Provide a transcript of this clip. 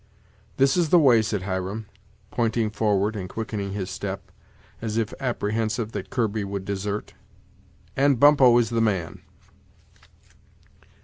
"This is the way," said Hiram, pointing forward and quickening his step, as if apprehensive that Kirby would desert, "and Bumppo is the man."